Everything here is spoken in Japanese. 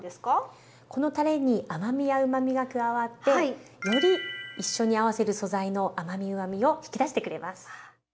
このたれに甘みやうまみが加わってより一緒に合わせる素材の甘みうまみを引き出してくれます。